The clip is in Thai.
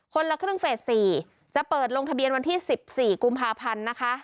ละครึ่งเฟส๔จะเปิดลงทะเบียนวันที่๑๔กุมภาพันธ์นะคะ